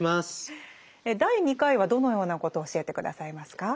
第２回はどのようなことを教えて下さいますか？